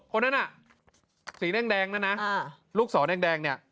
คนนั้นสีแดงลูกสอแดง